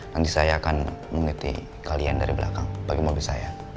nanti saya akan meniti kalian dari belakang bagi mobil saya